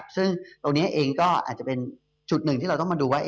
ซึ่งตรงนี้เองก็อาจจะเป็นจุดหนึ่งที่เราต้องมาดูว่า